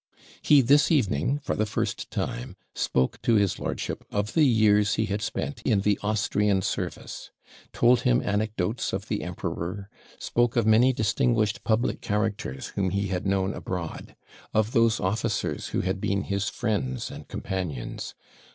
He this evening, for the first time, spoke to his lordship of the years he had spent in the Austrian service; told him anecdotes of the emperor; spoke of many distinguished public characters whom he had known abroad; of those officers who had been his friends and companions.